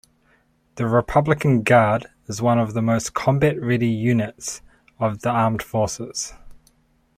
The Republican Guard is one of the most combat-ready units of the Armed Forces.